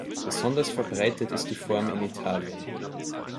Besonders verbreitet ist die Form in Italien.